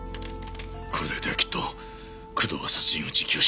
これだけではきっと工藤は殺人を自供しない。